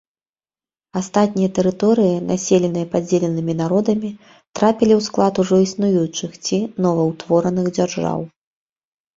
Астатнія тэрыторыі, населеныя падзеленымі народамі, трапілі ў склад ужо існуючых ці новаўтвораных дзяржаў.